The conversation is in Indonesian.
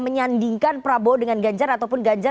menyandingkan prabowo dengan ganjar